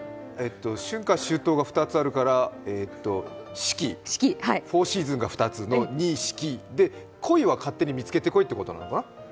春夏秋冬が２つあるから四季フォーシーズンが２つの２四季で、鯉は、勝手に見つけてこいってことなのかな？